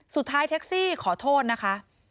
สุดท้ายแท็กซี่ขอโทษนะคะ